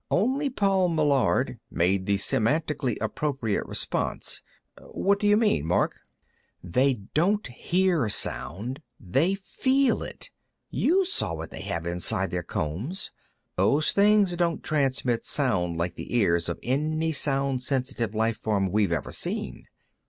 Only Paul Meillard made the semantically appropriate response: "What do you mean, Mark?" "They don't hear sound; they feel it. You all saw what they have inside their combs. Those things don't transmit sound like the ears of any sound sensitive life form we've ever seen.